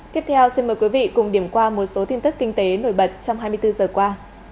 tiếp theo xin mời quý vị cùng điểm qua một số tin tức kinh tế nổi bật trong hai mươi bốn giờ qua